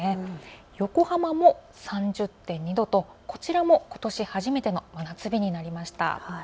横浜も３０．２度と、こちらもことし初めての真夏日になりました。